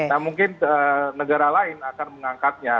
nah mungkin negara lain akan mengangkatnya